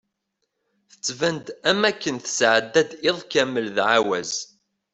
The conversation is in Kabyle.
Tettban-d am wakken tesɛedda-d iḍ kamel d aɛawez.